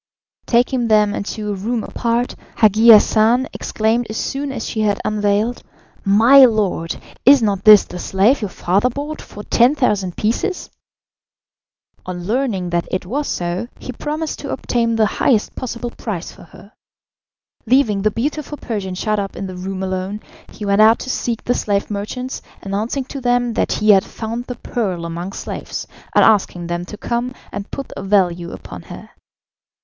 Taking them into a room apart, Hagi Hassan exclaimed as soon as she had unveiled, "My lord, is not this the slave your father bought for 10,000 pieces?" On learning that it was so, he promised to obtain the highest possible price for her. Leaving the beautiful Persian shut up in the room alone, he went out to seek the slave merchants, announcing to them that he had found the pearl among slaves, and asking them to come and put a value upon her.